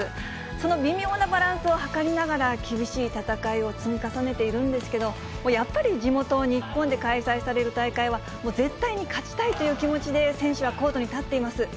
その微妙なバランスをはかりながら、厳しい戦いを積み重ねているんですけど、やっぱり地元、日本で開催される大会は、もう絶対に勝ちたいという気持ちで、選手はコートに立っています。